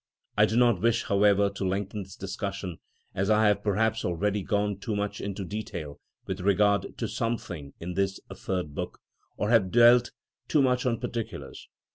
I do not wish, however, to lengthen this discussion, as I have perhaps already gone too much into detail with regard to some things in this Third Book, or have dwelt too much on particulars.